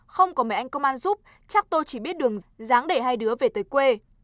không có mấy anh công an giúp chắc tôi chỉ biết đường dáng để hai đứa về tới quê